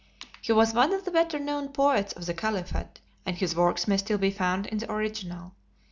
He was one of the better known poets of the khalifate, and his work may still be found in the original.